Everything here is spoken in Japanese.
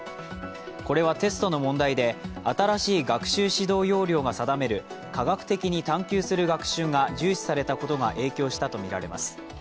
これはテストの問題で新しい学習指導要領が定める科学的に探求する学習が重視されたことが影響したとみられます。